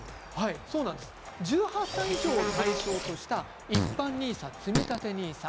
１８歳以上を対象とした一般ＮＩＳＡとつみたてＮＩＳＡ。